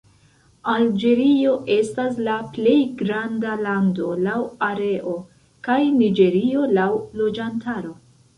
Alĝerio estas la plej granda lando laŭ areo, kaj Niĝerio laŭ loĝantaro.